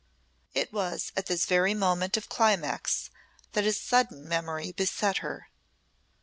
It was at this very moment of climax that a sudden memory beset her.